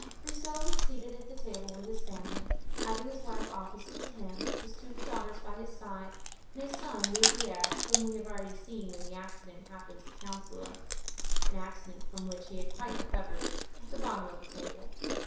Broussel was seated at the table with his family, having his wife opposite to him, his two daughters by his side, and his son, Louvieres, whom we have already seen when the accident happened to the councillor—an accident from which he had quite recovered—at the bottom of the table.